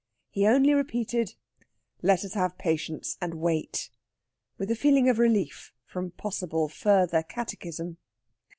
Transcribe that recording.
He only repeated: "Let us have patience, and wait," with a feeling of relief from possible further catechism.